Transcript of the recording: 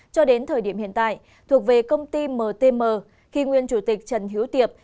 cho đến thời điểm hiện tại thuộc về công ty mtm khi nguyên chủ tịch trần hiếu tiệp